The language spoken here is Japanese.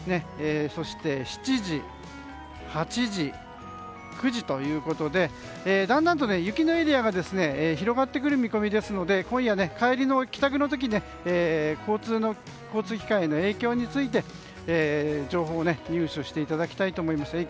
そして７時、８時９時ということでだんだんと雪のエリアが広がってくる見込みですので今夜、帰宅の時に交通機関への影響について情報を入手していただきたいと思います。